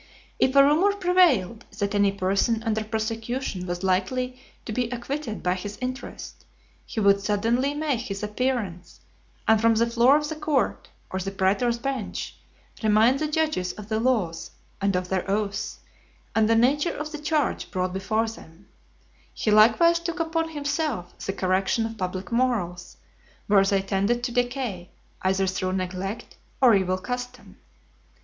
If a rumour prevailed, that any person under prosecution was likely to be acquitted by his interest, he would suddenly make his appearance, and from the floor of the court, (214) or the praetor's bench, remind the judges of the laws, and of their oaths, and the nature of the charge brought before them, he likewise took upon himself the correction of public morals, where they tended to decay, either through neglect, or evil custom.